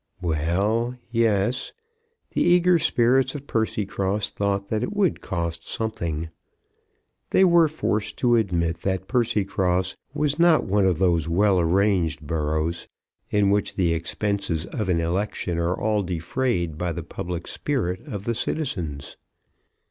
Well; yes. The eager spirits of Percycross thought that it would cost something. They were forced to admit that Percycross was not one of those well arranged boroughs in which the expenses of an election are all defrayed by the public spirit of the citizens.